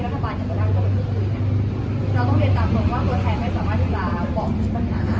เราต้องเรียนตามความว่าตัวแทนไม่สามารถที่จะบอกปัญหา